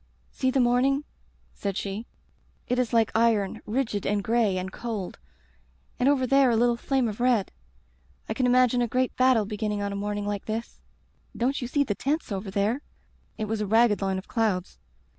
"'See the morning,' said she. *It is like iron — ^rigid and gray and cold — ^and over there a little flame of red. I can imagine a great battle beginning on a morning like this. Don't you see the tents over there —' It was a ragged line of clouds.